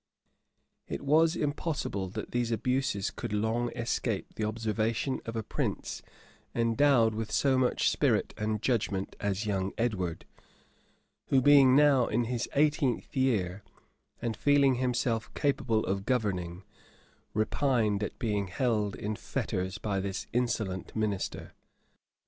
It was impossible that these abuses could long escape the observation of a prince endowed with so much spirit and judgment as young Edward, who, being now in his eighteenth year, and feeling himself capable of governing, repined at being held in fetters by this insolent minister.